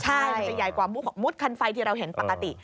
ใช่มันจะใหญ่กว่ามุดคันไฟที่เราเห็นปกติ